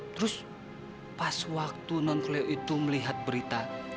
terus pas waktu non kleo itu melihat berita